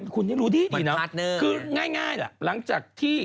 คุณนี่รู้ดีดีนะคือง่ายหลังจากที่